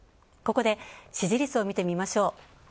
ここで支持率を見てみましょう。